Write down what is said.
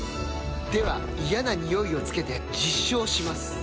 では嫌なニオイをつけて実証します